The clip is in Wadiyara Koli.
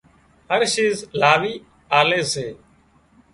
هر شيز لاوِي آلي سي